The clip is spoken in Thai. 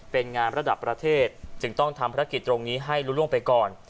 เป็นงานระดับประเทศจึงต้องทำภารกิจตรงนี้ให้รู้ล่วงไปก่อน